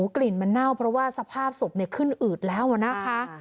กลิ่นมันเน่าเพราะว่าสภาพศพขึ้นอืดแล้วนะคะ